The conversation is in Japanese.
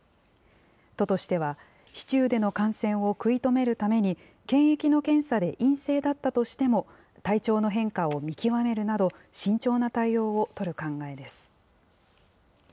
都としては、市中での感染を食い止めるために検疫の検査で陰性だったとしても、体調の変化を見極めるなど、慎重な対応を取る考えです。